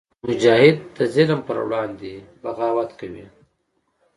مجاهد د ظلم پر وړاندې بغاوت کوي.